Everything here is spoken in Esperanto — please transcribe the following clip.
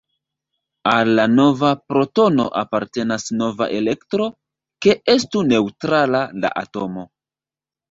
Al la nova protono apartenas nova elektro, ke estu neŭtrala la atomo.